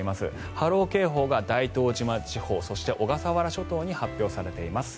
波浪警報が大東島地方そして、小笠原地方に発表されています。